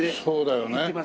そうだよね。